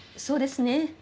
そうですね